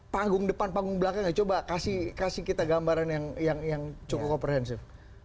panggung depan panggung belakang ya coba kasih kita gambaran yang cukup komprehensif